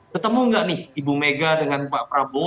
ketemu nggak nih ibu mega dengan pak prabowo